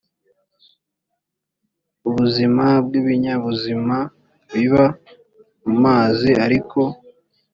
buzima bw ibinyabuzima biba mu mazi ariko